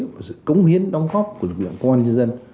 và sự cống hiến đóng góp của lực lượng công an nhân dân